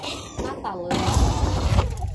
Natalândia